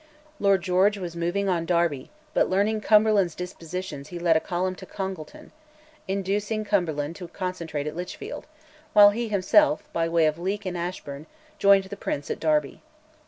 Lord George was moving on Derby, but learning Cumberland's dispositions he led a column to Congleton, inducing Cumberland to concentrate at Lichfield, while he himself, by way of Leek and Ashburn, joined the Prince at Derby.